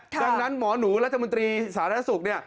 ดังนั้นหมอหนูรัฐมนตรีสาธารณสุขเนี่ย